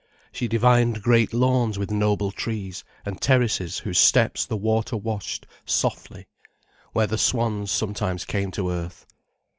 She divined great lawns with noble trees, and terraces whose steps the water washed softly, where the swans sometimes came to earth.